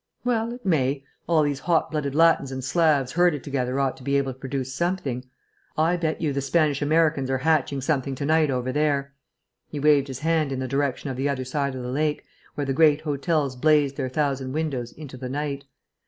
"Well, it may. All these hot blooded Latins and Slavs herded together ought to be able to produce something.... I bet you the Spanish Americans are hatching something to night over there...." He waved his hand in the direction of the other side of the lake, where the great hotels blazed their thousand windows into the night.